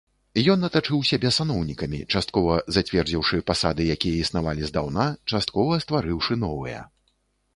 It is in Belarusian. Ён атачыў сябе саноўнікамі, часткова, зацвердзіўшы пасады, якія існавалі здаўна, часткова, стварыўшы новыя.